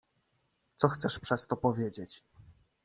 "Co chcesz przez to powiedzieć?"